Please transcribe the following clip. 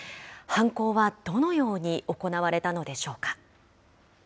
犯行はどのように行われたのでしょうか。